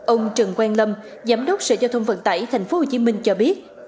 ông trần quang lâm giám đốc sở giao thông vận tải tp hcm cho biết